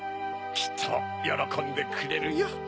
きっとよろこんでくれるよ。